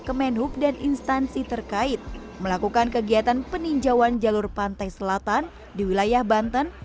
kemenhub dan instansi terkait melakukan kegiatan peninjauan jalur pantai selatan di wilayah banten